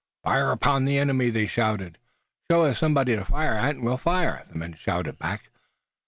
"Fire upon the enemy!" they shouted. "Show us somebody to fire at and we'll fire," the men shouted back.